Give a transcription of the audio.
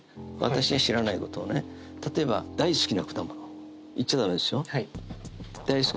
例えば大好きな果物言っちゃダメですよ